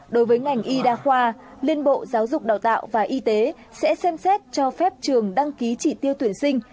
đối với ngành y đa khoa liên bộ giáo dục đào tạo và y tế sẽ xem xét cho phép trường đăng ký chỉ tiêu tuyển sinh